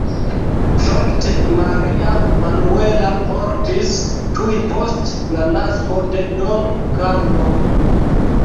Fakte Maria Manuela mortis tuj post la nasko de Don Karlo.